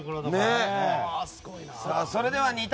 それでは２択